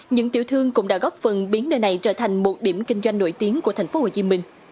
những tiểu thương cũng đã góp phần biến nơi này trở thành một điểm kinh doanh nổi tiếng của tp hcm